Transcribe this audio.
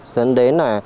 dẫn đến là